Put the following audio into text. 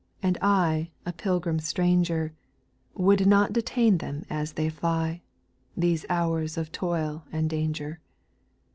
And I, a pilgrim stranger, Would not detain them as they fly — These hours of toil and danger.